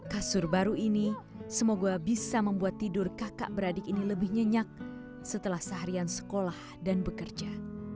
kasur baru ini semoga bisa membuat tidur kakak beradik ini lebih nyenyak setelah seharian sekolah dan bekerja